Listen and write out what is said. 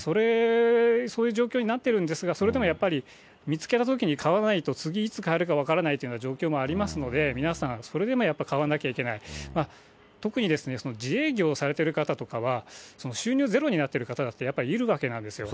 そういう状況になってるんですが、それでもやっぱり、見つけたときに買わないと、次いつ買えるか分からないというような状況もありますので、皆さん、それでもやっぱり買わなきゃいけない、特に自営業されてる方とかは、収入ゼロになってる方だってやっぱりいるわけなんですよ。